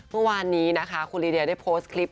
เมื่อวานนี้นะคะคุณลีเดียได้โพสต์คลิป